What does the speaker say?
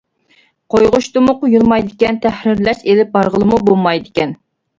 قويغۇچتىمۇ قويۇلمايدىكەن، تەھرىرلەش ئېلىپ بارغىلىمۇ بولمايدىكەن!